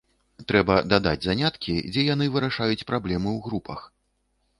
Трэба дадаць заняткі, дзе яны вырашаюць праблемы у групах.